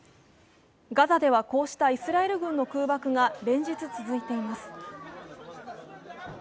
ガザではこうしたイスラエル軍の攻撃が連日、続いています。